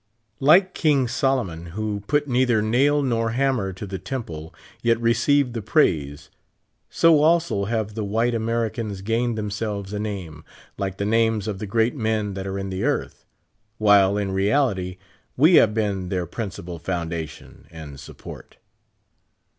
Like King Solomon, who put neither nail nor hammer to the tem])^le, yet received the praise ; so also have the white Americans gained themselves a name, like the names of the great men that are in the earth, while in reality we have been their principal foundation and support.